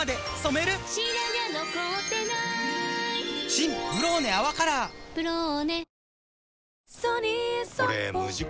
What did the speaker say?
新「ブローネ泡カラー」「ブローネ」